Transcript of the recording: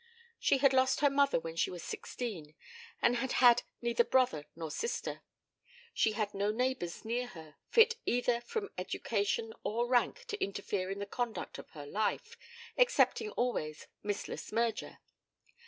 She had lost her mother when she was sixteen, and had had neither brother nor sister. She had no neighbours near her fit either from education or rank to interfere in the conduct of her life, excepting always Miss Le Smyrger.